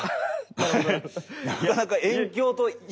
なるほど。